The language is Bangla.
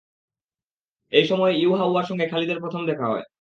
এ সময় ইউহাওয়ার সঙ্গে খালিদের প্রথম দেখা হয়।